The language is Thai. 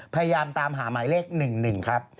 พยายามตามหาหมายเลข๑๑ครับ